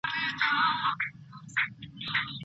د ښووني پوهنځۍ سمدلاسه نه تطبیقیږي.